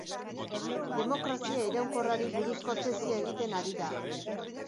Demokrazia iraunkorrari buruzko tesia egiten ari da.